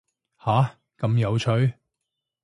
下，咁有趣